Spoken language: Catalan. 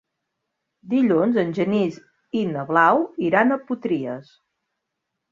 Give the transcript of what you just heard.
Dilluns en Genís i na Blau iran a Potries.